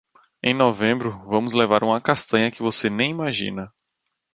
Em novembro, vamos levar uma castanha que você nem imagina.